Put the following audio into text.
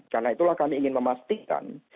karena itulah kami ingin memastikan